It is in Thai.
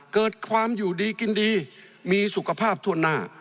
เกิดความอยู่ดีกินดีมีสุขภาพทั่วหน้า